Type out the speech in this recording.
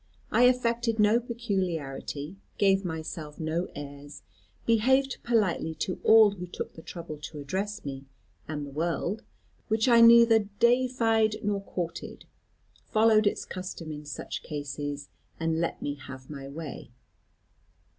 I affected no peculiarity, gave myself no airs, behaved politely to all who took the trouble to address me; and the world, which I neither defied nor courted, followed its custom in such cases, and let me have my way.